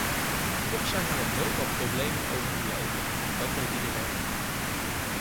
Toch zijn er nog heel wat problemen overgebleven, dat weet iedereen.